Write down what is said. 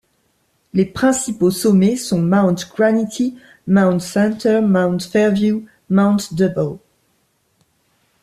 Les principaux sommets sont Mount Granite, Mount Centre, Mount Fairwiew, Mount Double.